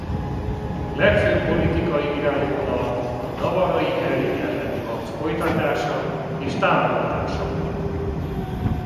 Legfőbb politikai irányvonala a Navarrai Henrik elleni harc folytatása és támogatása volt.